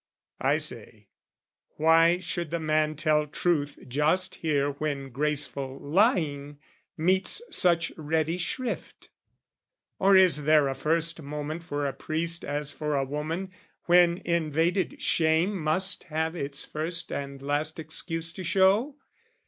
I say, why should the man tell truth just here When graceful lying meets such ready shrift? Or is there a first moment for a priest As for a woman, when invaded shame Must have its first and last excuse to show?